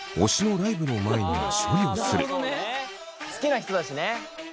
好きな人たちね。